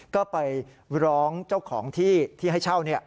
ก็ไปร้องเจ้าของที่ที่ให้เช่า